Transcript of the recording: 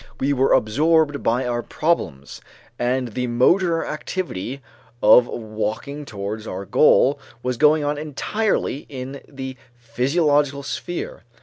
We were absorbed by our problems, and the motor activity of walking towards our goal was going on entirely in the physiological sphere.